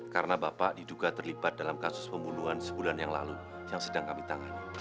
karena bapak diduga terlibat dalam kasus pembunuhan sebulan yang lalu yang sedang kami tangani